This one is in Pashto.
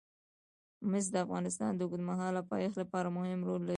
مس د افغانستان د اوږدمهاله پایښت لپاره مهم رول لري.